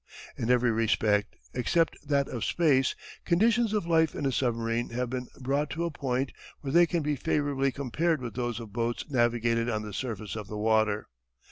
In every respect, except that of space, conditions of life in a submarine have been brought to a point where they can be favourably compared with those of boats navigated on the surface of the water.